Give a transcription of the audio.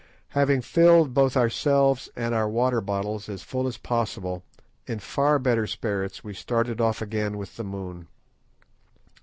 Having filled both ourselves and our water bottles as full as possible, in far better spirits we started off again with the moon.